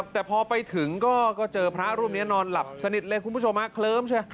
แต่พอไปถึงก็เจอพระรูปนี้นอนหลับสนิทเลยคุณผู้ชมค่ะ